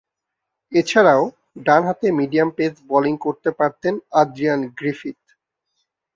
এছাড়াও, ডানহাতে medium pace bowling করতে পারতেন আদ্রিয়ান গ্রিফিথ।